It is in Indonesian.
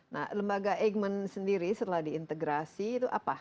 nah lembaga eijkman sendiri setelah diintegrasi itu apa